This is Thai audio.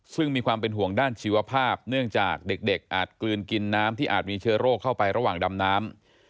ซึ่งมีความเป็นห่วงด้านชีวภาพเนื่องจากเด็กอาจกลืนกินน้ำที่อาจมีเชื้อโรคเข้าไประหว่างดำน้ำ